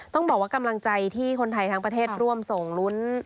ต้องบอกว่ากำลังใจที่คนไทยทั้งประเทศร่วมส่งลุ้น